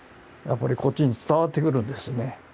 やっぱりこっちに伝わってくるんですね。